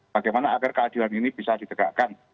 bagaimana agar keadilan ini bisa ditegakkan